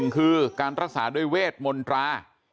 คือการรักษาด้วยเวทมนตรา